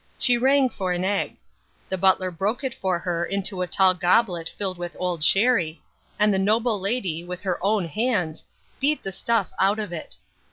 She rang for an egg. The butler broke it for her into a tall goblet filled with old sherry, and the noble lady, with her own hands, beat the stuff out of it.